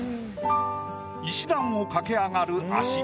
石段を駆け上がる足。